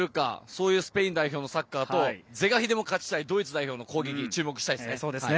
そういうスペイン代表のサッカーと是が非でも勝ちたいドイツ代表の攻撃に注目したいですね。